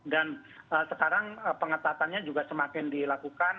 dan sekarang pengetatannya juga semakin dilakukan